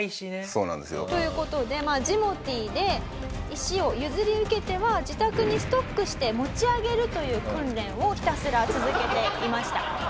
そうなんですよ。という事でジモティーで石を譲り受けては自宅にストックして持ち上げるという訓練をひたすら続けていました。